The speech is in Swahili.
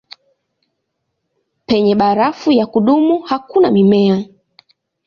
Penye barafu ya kudumu hakuna mimea.